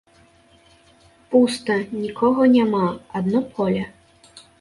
Пуста, нікога няма, адно поле.